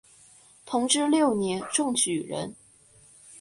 同治六年中举人。